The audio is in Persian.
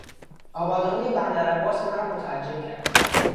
آبادانی بندرعباس مرا متعجب کرد.